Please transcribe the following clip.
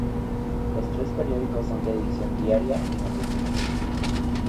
Los tres periódicos son de edición diaria y matutina.